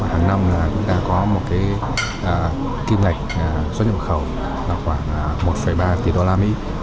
hàng năm chúng ta có một kinh mạch số nhập khẩu khoảng một ba triệu đô la mỹ